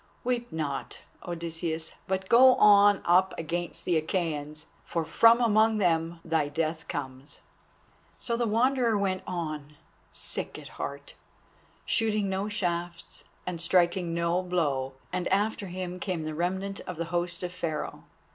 Weep not, Odysseus, but go on up against the Achæans, for from among them thy death comes." So the Wanderer went on, sick at heart, shooting no shafts and striking no blow, and after him came the remnant of the host of Pharaoh.